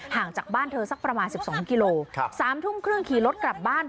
ห่างจากบ้านเธอสักประมาณ๑๒กิโล๓ทุ่มครึ่งขี่รถกลับบ้าน